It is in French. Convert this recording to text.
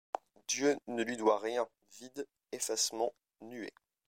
Dieu ne lui doit rien ! vide, effacement, nuée